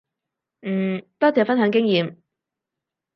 嗯，多謝分享經驗